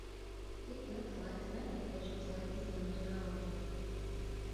Cik ilgs laiks nepieciešams, lai izņemtu naudu?